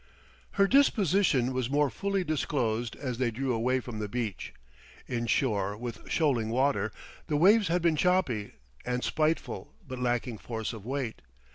Her disposition was more fully disclosed as they drew away from the beach. Inshore with shoaling water, the waves had been choppy and spiteful but lacking force of weight.